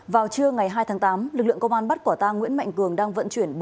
vào trưa ngày hai tháng tám lực lượng công an bắt quả tang nguyễn mạnh cường đang vận chuyển